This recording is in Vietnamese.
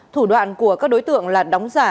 thủ đoạn của các đối tượng là đóng giả